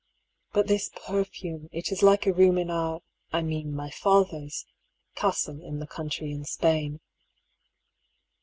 " But this perfume, it is like a room in our (I mean my father's) castle in the country in Spain."